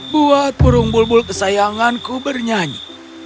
buat burung bulbul kesayanganku bernyanyi